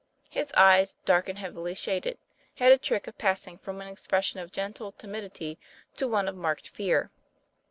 His eyes, dark and heavily shaded, had a trick of passing from an ex pression of gentle timidity to one of marked fear.